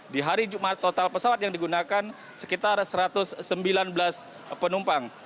di hari jumat total pesawat yang digunakan sekitar satu ratus sembilan belas penumpang